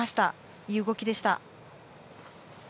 いい動きでした。